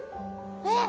えっ！